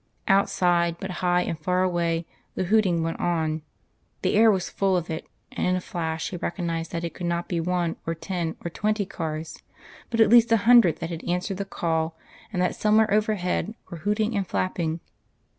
Outside, but high and far away, the hooting went on; the air was full of it, and in a flash he recognised that it could not be one or ten or twenty cars, but at least a hundred that had answered the call, and that somewhere overhead were hooting and flapping.